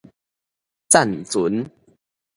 棧船